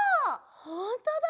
ほんとだ！